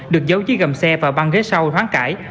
được giấu dưới gầm xe và băng ghế sau hoáng cải